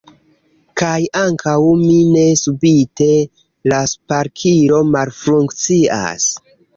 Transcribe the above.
Kaj ankaŭ mi ne, subite la sparkilo malfunkcias.